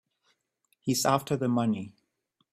He's after the money.